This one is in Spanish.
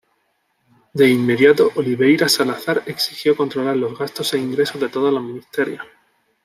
De inmediato Oliveira Salazar exigió controlar los gastos e ingresos de todos los ministerios.